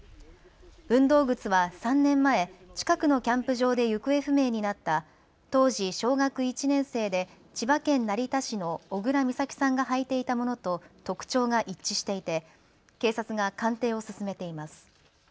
運動靴は３年前、近くのキャンプ場で行方不明になった当時小学１年生で千葉県成田市の小倉美咲さんが履いていたものと特徴が一致していて警察が鑑定を進めています。